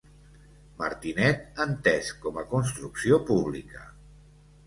Martinet, entès com a construcció pública.